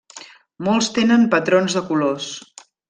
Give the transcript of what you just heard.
Molts tenen patrons de colors.